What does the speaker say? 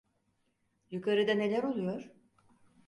Yukarıda neler oluyor?